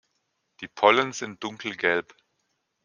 Die Pollen sind dunkelgelb.